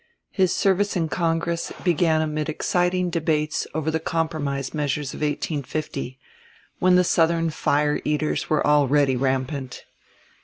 His service in Congress began amid exciting debates over the compromise measures of 1850, when the Southern fire eaters were already rampant.